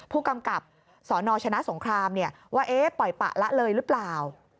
ผู้กำกับสนชนะสงครามว่าปล่อยปะละเลยหรือเปล่า